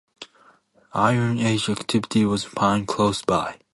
Iron Age activity was found close by.